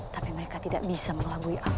tapi mereka tidak bisa mengelambui aku